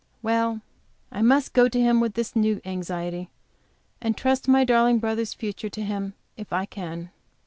Well, I must go to Him with this new anxiety, and trust my darling brother's future to Him, if I can.